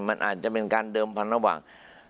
มันอาจจะเป็นการเดิมพันธุ์ระหว่าง